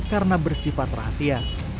gulungan kelainan juga dikaitkan